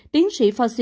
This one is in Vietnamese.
tiến sĩ fauci nói